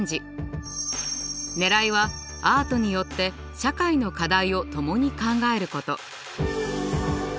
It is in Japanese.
ねらいはアートによって社会の課題をともに考えること。